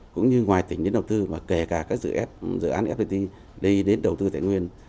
cũng như ngoài tỉnh đến đầu tư kể cả các dự án ftt đi đến đầu tư thái nguyên